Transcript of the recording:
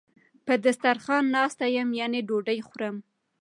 په دسترخان ناست یم یعنی ډوډی خورم